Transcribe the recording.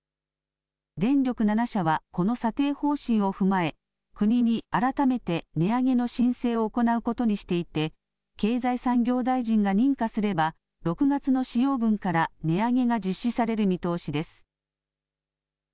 電力７社はこの査定方針を踏まえ国に改めて値上げの申請を行うことにしていて経済産業大臣が認可すれば６月の使用分から値上げが実施される見通しです。